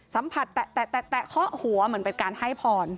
สัมผัสแตะเคาะหัวเหมือนเป็นการให้พร